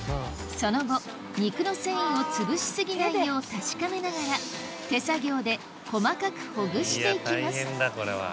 その後肉の繊維をつぶし過ぎないよう確かめながら手作業で細かくほぐしていきます